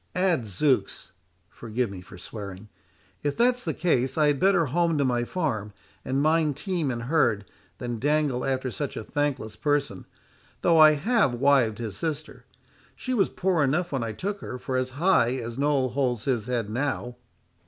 Adzooks, (forgive me for swearing,) if that's the case I had better home to my farm, and mind team and herd, than dangle after such a thankless person, though I have wived his sister. She was poor enough when I took her, for as high as Noll holds his head now."